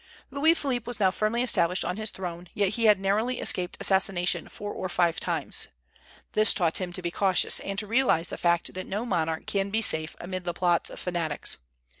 Louis Philippe was now firmly established on his throne, yet he had narrowly escaped assassination four or five times. This taught him to be cautious, and to realize the fact that no monarch can be safe amid the plots of fanatics.